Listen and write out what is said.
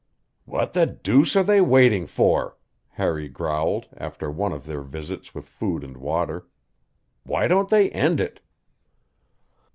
"What the deuce are they waiting for?" Harry growled, after one of their visits with food and water. "Why don't they end it?"